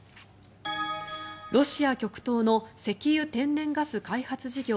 ロシア極東の石油・天然ガス開発事業